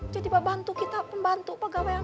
jadi pak bantu kita pembantu pak gawian